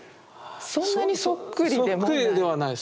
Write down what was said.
そんなにそっくりでもない。